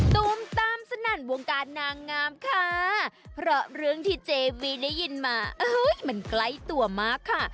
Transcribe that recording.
ตูมตามสนั่นวงการนางงามค่ะเพราะเรื่องที่เจวีได้ยินมาเอ้ยมันใกล้ตัวมากค่ะ